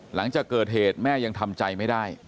หลังจากเกิดเหตุแม่ยังทำใจไม่ได้